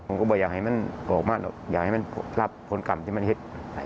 ผมก็บอกอยากให้มันออกมาหรอกอยากให้มันรับผลกรรมที่มันเห็น